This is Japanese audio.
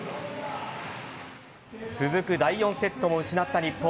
続く第４セットも失った日本。